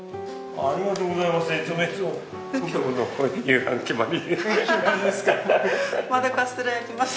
ありがとうございます。